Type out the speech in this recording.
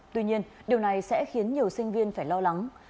tuy nhiên điều này sẽ khiến nhiều sinh viên phải lo lắng